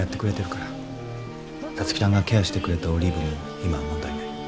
皐月ちゃんがケアしてくれたオリーブも今は問題ない。